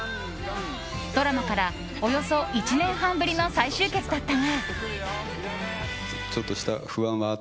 ドラマから、およそ１年半ぶりの再集結だったが。